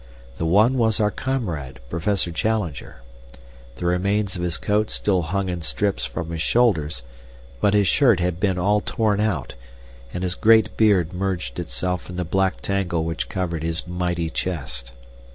The one was our comrade, Professor Challenger. The remains of his coat still hung in strips from his shoulders, but his shirt had been all torn out, and his great beard merged itself in the black tangle which covered his mighty chest.